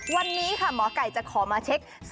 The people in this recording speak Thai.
วันนี้ค่ะหมอไก่จะขอมาเช็ค